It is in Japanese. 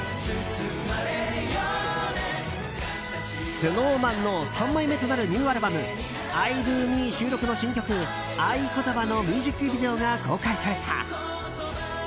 ＳｎｏｗＭａｎの３枚目となるニューアルバム「ｉＤＯＭＥ」収録の新曲「あいことば」のミュージックビデオが公開された。